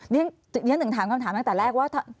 เรียนถึงถามคำถามตั้งแต่แรกว่า